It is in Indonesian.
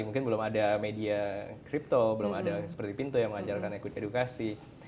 mungkin belum ada media crypto belum ada seperti pintu yang mengajarkan ikut edukasi